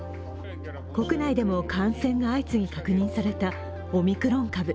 国内でも感染が相次ぎ確認されたオミクロン株。